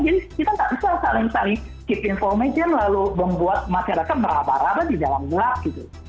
jadi kita tidak bisa saling saling keep information lalu membuat masyarakat merabah rabah di dalam gelap gitu